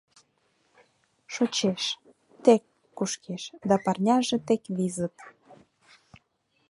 Шочеш, тек кушкеш, да парняже тек визыт.